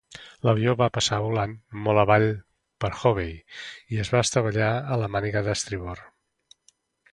L' avió va passar volant molt avall per "Hovey" i es va estavellar a la màniga d'estribord.